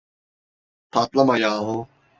Patlama yahu!